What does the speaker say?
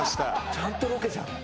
ちゃんとロケじゃん。